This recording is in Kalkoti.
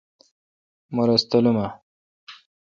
مہ رس تلم اؘ۔